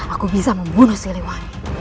aku akan membunuh si lewani